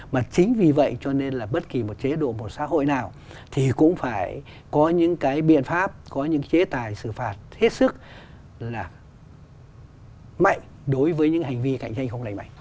mà chính vì vậy cho nên là bất kỳ một chế độ một xã hội nào thì cũng phải có những cái biện pháp có những chế tài xử phạt thiết sức là mạnh đối với những hành vi cạnh tranh không lành mạnh